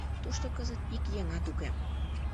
Тушто кызыт ик еҥат уке.